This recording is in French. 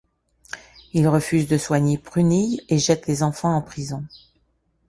Il refuse de soigner Prunille et jette les enfants en prison.